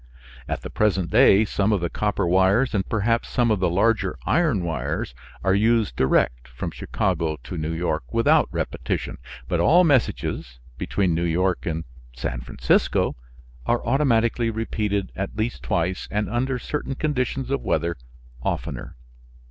At the present day some of the copper wires and perhaps some of the larger iron wires are used direct from Chicago to New York without repetition, but all messages between New York and San Francisco are automatically repeated at least twice and under certain conditions of weather oftener.